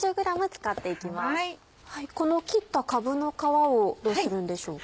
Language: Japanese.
この切ったかぶの皮をどうするんでしょうか？